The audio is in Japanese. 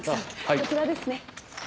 こちらですね。